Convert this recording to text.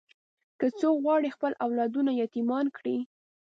که څوک غواړي خپل اولادونه یتیمان کړي.